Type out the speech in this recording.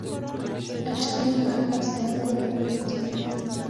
achamee akosoo okwek otienii.